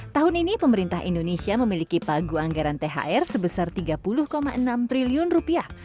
tahun ini pemerintah indonesia memiliki pagu anggaran thr sebesar tiga puluh enam triliun rupiah